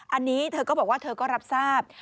อันนี้เธอก็บอกว่าเธอก็รับทราบ